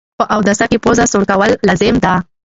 په اوداسه کي پوزه سوڼ کول لازم ده